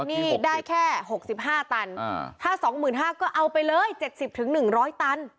นี่ได้แค่๖๕ตันถ้า๒๕๐๐ก็เอาไปเลย๗๐๑๐๐ตัน